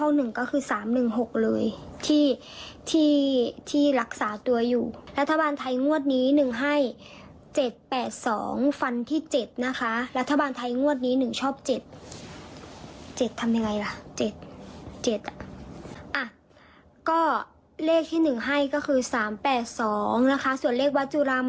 หรือเลขทูปนะคะเดี๋ยวลงให้ในกลุ่ม